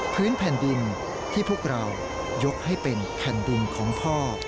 พื้นแผ่นดินที่พวกเรายกให้เป็นแผ่นดินของพ่อ